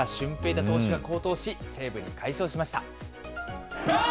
大投手が好投し、西武に快勝しました。